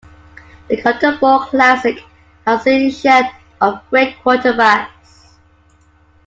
The Cotton Bowl Classic has seen its share of great quarterbacks.